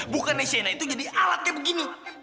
bukannya shaina itu jadi alat kayak begini